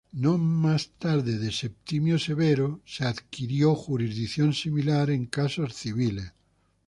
No más tarde de Septimio Severo adquirió jurisdicción similar en casos civiles.